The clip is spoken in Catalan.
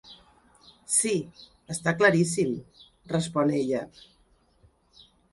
Sí, està claríssim —respon ella.